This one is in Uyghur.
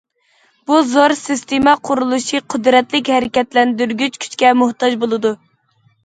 بۇ زور سىستېما قۇرۇلۇشى قۇدرەتلىك ھەرىكەتلەندۈرگۈچ كۈچكە موھتاج بولىدۇ.